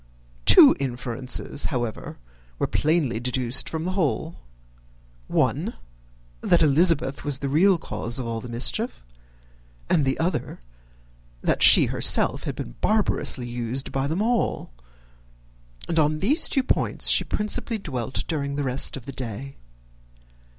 Two inferences, however, were plainly deduced from the whole: one, that Elizabeth was the real cause of all the mischief; and the other, that she herself had been barbarously used by them all; and on these two points she principally dwelt during the rest of the day.